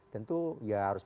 tentu ya harus mendapatkan